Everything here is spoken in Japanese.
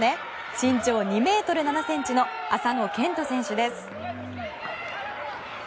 身長２ｍ７ｃｍの麻野堅斗選手です。